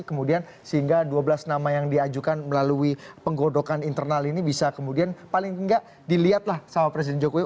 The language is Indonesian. kemudian sehingga dua belas nama yang diajukan melalui penggodokan internal ini bisa kemudian paling tidak dilihatlah sama presiden jokowi